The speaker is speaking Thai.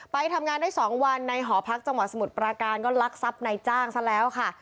ไปทำงานได้๒วันในหอพักจังหวัดสมุทรปราการก็ลักทรัพย์ในจ้างซะแล้วค่ะ